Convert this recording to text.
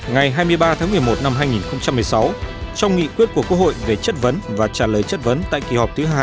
ngày hai mươi ba tháng một mươi một năm hai nghìn một mươi sáu trong nghị quyết của quốc hội về chất vấn và trả lời chất vấn tại kỳ họp thứ hai